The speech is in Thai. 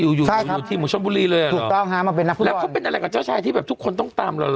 อยู่อยู่อยู่ที่หมูชนบุรีเลยหรอถูกต้องฮะมาเป็นนักผู้ดอนแล้วเขาเป็นอะไรกับเจ้าชายที่แบบทุกคนต้องตามหล่อหล่อ